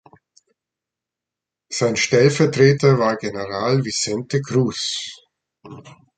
Sein Stellvertreter war General Vicente Cruz.